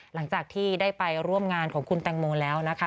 หลังจากที่ได้ไปร่วมงานของคุณแตงโมแล้วนะคะ